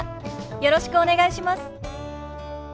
よろしくお願いします。